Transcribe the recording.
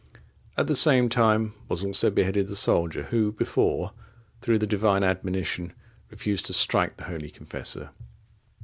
At the same time was also beheaded the soldier, who before, through the Divine admonition, refused to strike the holy confessor.